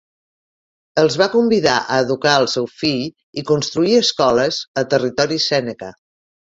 Els va convidar a educar el seu fill i construir escoles a territori seneca.